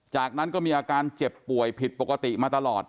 จากนั้นก็มีอาการเจ็บป่วยผิดปกติมาตลอด